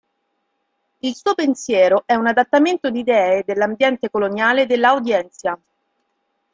Il suo pensiero è un adattamento di idee dell'ambiente coloniale della Audiencia.